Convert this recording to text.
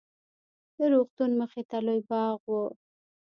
د روغتون مخې ته لوى باغ و.